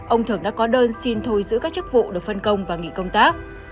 ông thượng đã có đơn xin thôi giữ các chức vụ được phân công và nghỉ công tác